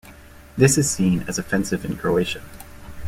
This is seen as offensive in Croatia.